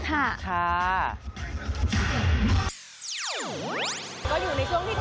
ก็อยู่ในช่วงที่ทำดุสดีนิพนธ์อะไรอย่างนี้ค่ะ